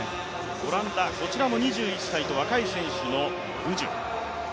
オランダ、こちらも２１歳と若い選手のブジュ。